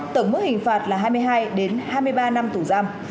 tổng mức hình phạt là hai mươi hai đến hai mươi ba năm tù giam